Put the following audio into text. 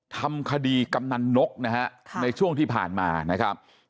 ทำคดีกำนันนกนะฮะในช่วงที่ผ่านมานะครับ